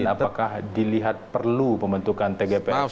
apakah dilihat perlu pembentukan tgpf